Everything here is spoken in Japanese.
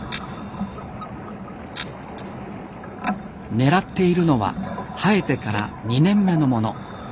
狙っているのは生えてから２年目のもの。